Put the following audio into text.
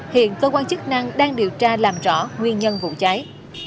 hiện cơ quan chức năng đang điều tra làm rõ nguyên nhân vụ cháy